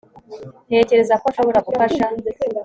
Ntekereza ko nshobora gufasha